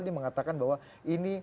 dia mengatakan bahwa ini